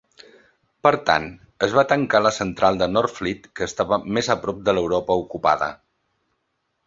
Per tant, es va tancar la central de Northfleet que estava més a prop de l'Europa ocupada.